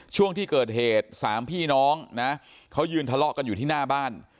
ช่วงที่เกิดเหตุสามพี่น้องนะเขายืนทะเลาะกันอยู่ที่หน้าบ้าน